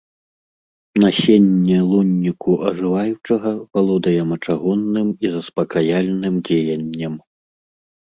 Насенне лунніку ажываючага валодае мачагонным і заспакаяльным дзеяннем.